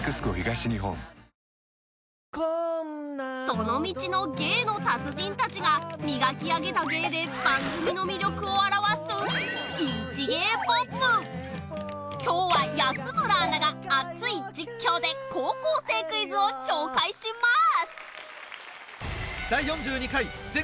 その道の芸の達人たちが磨き上げた芸で番組の魅力を表す今日は安村アナが熱い実況で『高校生クイズ』を紹介します！